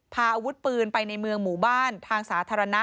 พาอาวุธปืนไปในเมืองหมู่บ้านทางสาธารณะ